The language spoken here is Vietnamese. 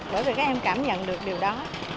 bởi vì các em cảm nhận được điều đó